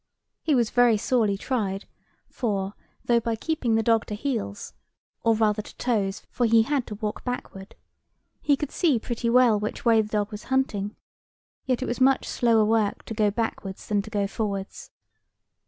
He was very sorely tried; for though, by keeping the dog to heels (or rather to toes, for he had to walk backward), he could see pretty well which way the dog was hunting, yet it was much slower work to go backwards than to go forwards.